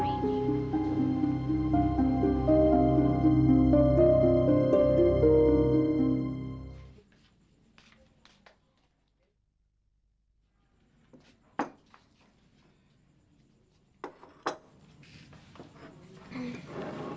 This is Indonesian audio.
gak ada apa apa